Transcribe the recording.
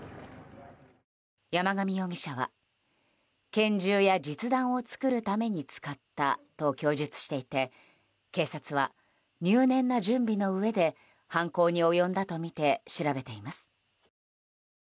山上容疑者は拳銃や実弾を作るために使ったと供述していて警察は入念な準備のうえで犯行に及んだとみて調べています。